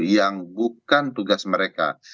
yang bukan tugas mereka